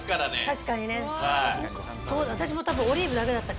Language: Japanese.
確かにね。